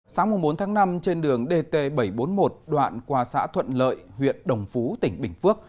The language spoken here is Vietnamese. sáng bốn tháng năm trên đường dt bảy trăm bốn mươi một đoạn qua xã thuận lợi huyện đồng phú tỉnh bình phước